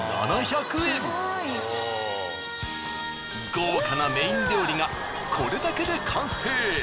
豪華なメイン料理がこれだけで完成。